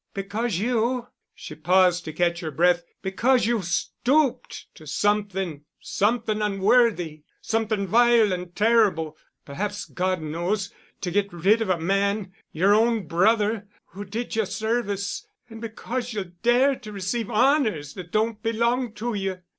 "Because you——" she paused to catch her breath, "because you've stooped to something—something unworthy—something vile and terrible, perhaps—God knows, to get rid of a man—your own brother,—who did you a service; and because you'll dare to receive honors that don't belong to you."